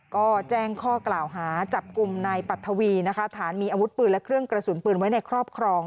ก็แจ้งข้อกล่าวหาจับกลุ่มนายปัททวีนะคะฐานมีอาวุธปืนและเครื่องกระสุนปืนไว้ในครอบครอง